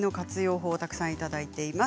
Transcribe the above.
法をたくさんいただいています。